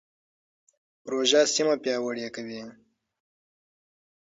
پروژه سیمه پیاوړې کوي.